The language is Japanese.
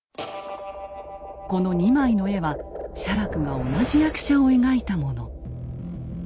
この２枚の絵は写楽が同じ役者を描いたもの。